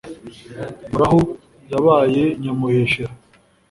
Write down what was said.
murahu yabaye nyamuheshera